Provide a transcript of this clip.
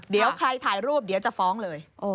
เดี๋ยวใครถ่ายรูปจะฟ้องเลย